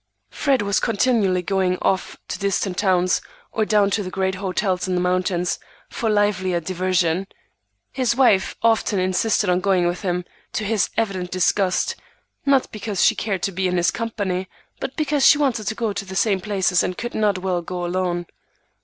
Fred was continually going off to distant towns, or down to the great hotels in the mountains, for livelier diversion. His wife often insisted on going with him, to his evident disgust, not because she cared to be in his company, but because she wanted to go to the same places and could not well go alone.